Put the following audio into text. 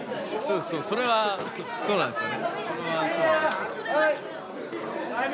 それはそうなんですよ。